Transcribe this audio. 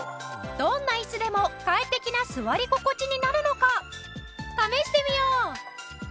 どんな椅子でも快適な座り心地になるのか試してみよう！